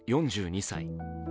４２歳。